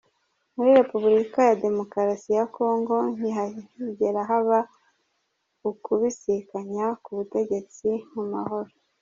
Muri Republika ya Democrasi ya Congo ntiharigera haba ukubisikanya ku butegetsi mu mahoro.